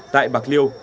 tại bạc liêu